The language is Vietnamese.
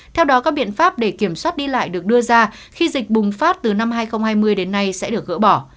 theo đó các biện pháp để kiểm soát đi lại được đưa ra khi dịch bùng phát từ năm hai nghìn hai mươi đến nay sẽ được gỡ bỏ